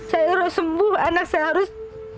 saya harus sembuh anak saya harus